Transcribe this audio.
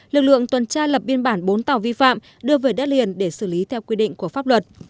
lực lượng tuần tra lập biên bản bốn tàu vi phạm đưa về đất liền để xử lý theo quy định của pháp luật